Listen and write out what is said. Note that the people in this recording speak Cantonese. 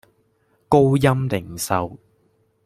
高鑫零售